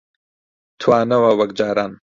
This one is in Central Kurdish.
توانەوە وەک جاران